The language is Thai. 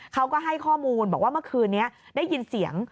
เขาก็ให้ข้อมูลบอกว่าเมื่อคืนนี้ได้ยินเสียง